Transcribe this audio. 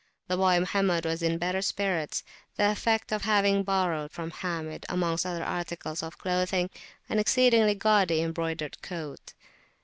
The boy Mohammed was in better spirits, the effect of having borrowed from Hamid, amongst other articles of clothing, an exceedingly gaudy embroidered coat.